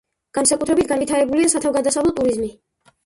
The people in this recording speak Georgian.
განსაკუთრებით განვითარებულია სათავგადასავლო ტურიზმი.